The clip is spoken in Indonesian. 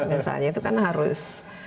misalnya itu kan harus